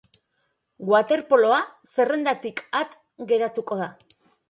Waterpoloa zerrendatik at geratuko da.